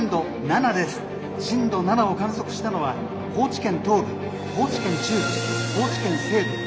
震度７を観測したのは高知県東部高知県中部高知県西部」。